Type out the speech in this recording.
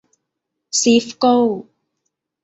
ซีฟโก้